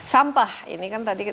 sampah ini kan tadi